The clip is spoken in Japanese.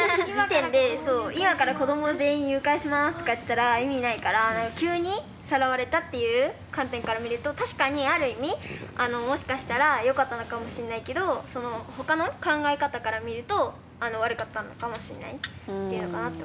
「今から子ども全員誘拐します」とか言ってたら意味ないから急にさらわれたっていう観点から見ると確かにある意味もしかしたらよかったのかもしんないけどその他の考え方から見ると悪かったのかもしんないっていうのかなと。